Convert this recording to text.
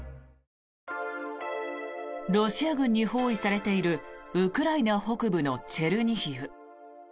ロシア軍に包囲されているウクライナ北部のチェルニヒウ。